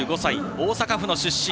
大阪府の出身。